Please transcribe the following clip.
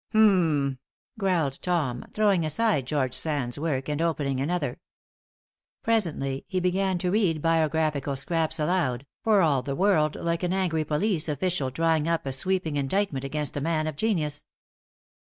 "H'm," growled Tom, throwing aside George Sand's work and opening another. Presently, he began to read biographical scraps aloud, for all the world like an angry police official drawing up a sweeping indictment against a man of genius.